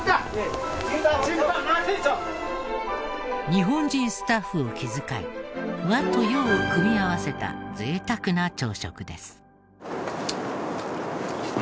日本人スタッフを気遣い和と洋を組み合わせた贅沢な朝食です。